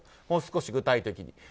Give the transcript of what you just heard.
もう少し具体的に。